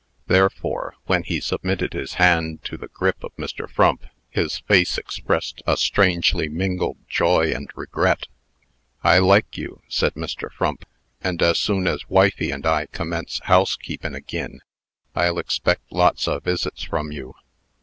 Therefore, when he submitted his hand to the grip of Mr. Frump, his face expressed a strangely mingled joy and regret. "I like you," said Mr. Frump, "and, as soon as wifey and I commence housekeepin' agin, I'll expect lots o' visits from you.